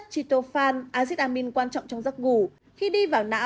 chống lão hóa